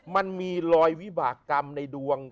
มันมีรอยวิบากรรมในดวง